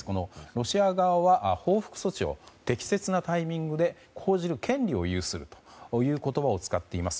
ロシア側は報復措置を適切なタイミングで講じる権利を有するという言葉を使っています。